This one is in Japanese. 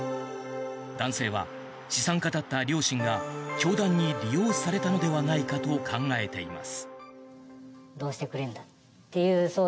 男性は、資産家だった両親が教団に利用されたのではないかと考えています。